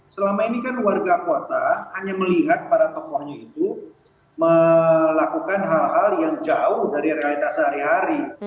selama ini kan warga kota hanya melihat para tokohnya itu melakukan hal hal yang jauh dari realitas hari hari